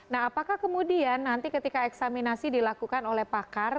nah apakah kemudian nanti ketika eksaminasi dilakukan oleh pakar